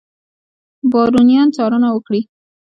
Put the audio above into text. بارونیان څارنه وکړي.